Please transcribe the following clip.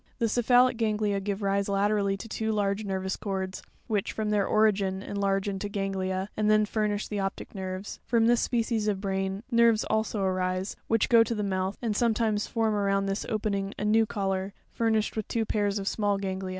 The cephalic ganglia give rise laterally to two large nervous cords, which, from their origin, enlarge into ganglia, and then furnish the optic nerves; from this species of brain, nerves also arise, which go to the mouth, and sometimes form around this opening a new collar, fur nished with two pairs of small ganglia (fig.